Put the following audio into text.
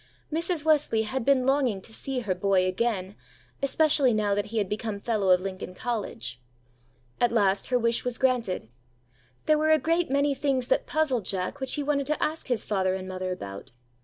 Mrs. Wesley had been longing to see her "boy" again, especially now that he had become Fellow of Lincoln College. At last her wish was granted. There were a great many things that puzzled Jack which he wanted to ask his father and mother about.